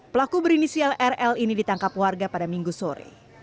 pelaku berinisial rl ini ditangkap warga pada minggu sore